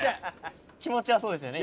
気持ちはそうですよね